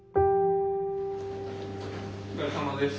お疲れさまです。